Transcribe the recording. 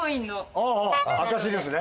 あぁ証しですね？